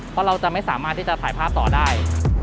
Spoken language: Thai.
เพราะเราจะไม่สามารถที่จะถ่ายภาพต่อได้